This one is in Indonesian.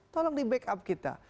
tolong di backup kita